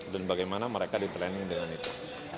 dan bagaimana mereka di training dengan itu